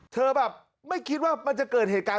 เธอแบบไม่คิดว่ามันจะเกิดเหตุการณ์